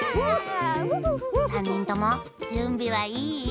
さんにんともじゅんびはいい？